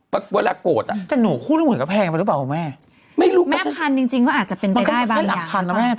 วันเวลากลัวโกรธ